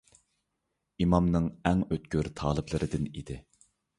ئىمامنىڭ ئەڭ ئۆتكۈر تالىپلىرىدىن ئىدى.